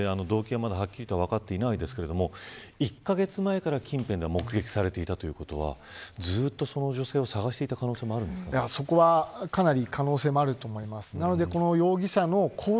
事の経緯、そして動機はまだはっきりと分かっていないですが１カ月前から近辺で目撃されていたということはずっとその女性を探していたそこはかなり可能性もあると思います。